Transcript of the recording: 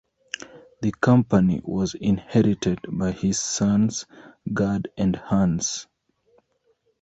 The company was inherited by his sons Gad and Hans.